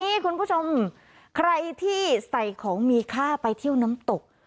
นี่คุณผู้ชมใครที่ใส่ของมีค่าไปเที่ยวน้ำตก